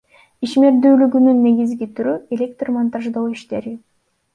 Ишмердүүлүгүнүн негизги түрү — электр монтаждоо иштери.